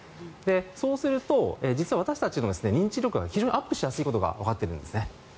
そうすると私たちの認知力が非常にアップしやすいことがわかっているんですね。